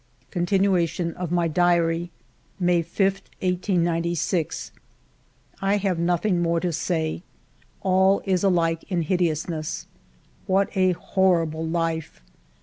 Continuation of my Diary May 5, 1896. I have nothing more to say. All is alike in hideousness ! What a horrible life